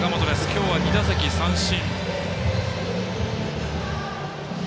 今日は２打席三振。